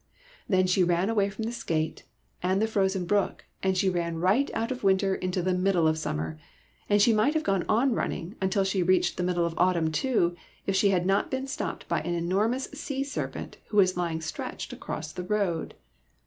" Then she ran away from the skate and the frozen brook, and she ran right out of winter into the middle of summer; and she might have gone on running until she reached the middle of autumn too, if she had not been stopped by an enormous sea serpent who was lying stretched across the road.